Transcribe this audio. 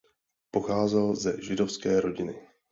Pocházel ze židovské rodiny.